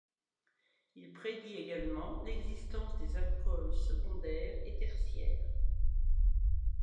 Il prédit également l'existence des alcools secondaires et tertiaires.